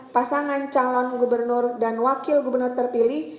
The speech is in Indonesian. pasangan calon gubernur dan wakil gubernur terpilih